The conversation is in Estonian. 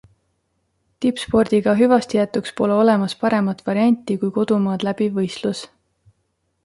Tippspordiga hüvastijätuks pole olemas paremat varianti kui kodumaad läbiv võistlus.